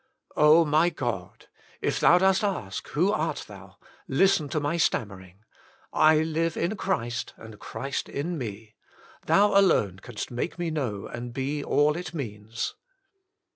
Oh! my God! if Thou dost ask, "Who art thou ?'^ listen to my stammering : I live in Christ and Christ in me. Thou alone canst make me know and be all it means.